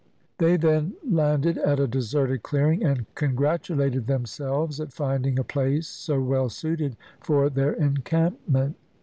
They then landed at a deserted clearing, and congratulated themselves at finding a place so well suited for their encampment.